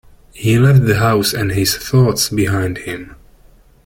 He left the house and his thoughts behind him.